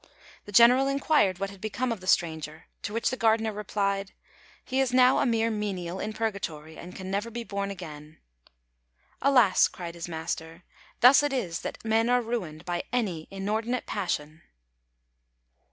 The general inquired what had become of the stranger; to which the gardener replied, "He is now a mere menial in Purgatory, and can never be born again." "Alas!" cried his master, "thus it is that men are ruined by any inordinate passion."